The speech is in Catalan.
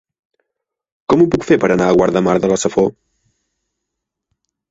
Com ho puc fer per anar a Guardamar de la Safor?